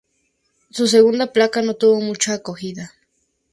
Su segunda placa, no tuvo mucha acogida.